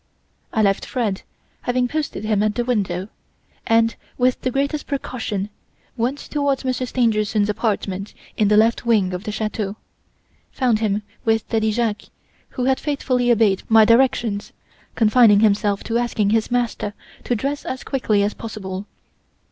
"I left Fred, having posted him at the window (No. 5 on the plan), and, with the greatest precaution, went towards Monsieur Stangerson's apartment in the left wing of the chateau. I found him with Daddy Jacques, who had faithfully obeyed my directions, confining himself to asking his master to dress as quickly as possible.